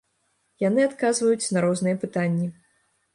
Яны адказваюць на розныя пытанні.